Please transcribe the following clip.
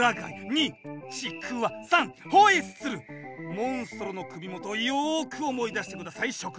モンストロの首元をよく思い出してください諸君。